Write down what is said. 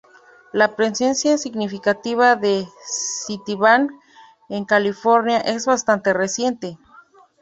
La presencia significativa de Citibank en California es bastante reciente.